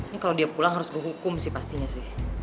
ini kalau dia pulang harus ke hukum sih pastinya sih